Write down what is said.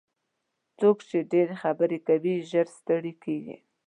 څوک چې ډېرې خبرې کوي ژر ستړي کېږي.